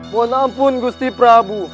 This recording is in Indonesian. mohon ampun gusti prabu